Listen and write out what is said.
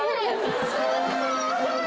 すごい！